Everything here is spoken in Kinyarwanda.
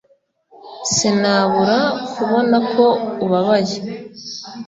Sinabura kubona ko ubabaye